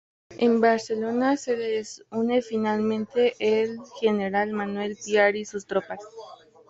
En Barcelona se les une finalmente el general Manuel Piar y sus tropas.